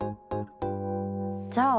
じゃあ